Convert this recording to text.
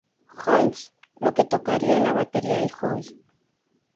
Johnson los que tocarían la batería en "Joy".